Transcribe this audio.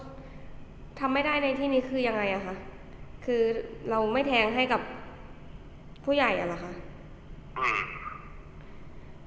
ก็ทำไม่ได้ในที่นี้คือยังไงอ่ะคะคือเราไม่แทงให้กับผู้ใหญ่อ่ะเหรอคะ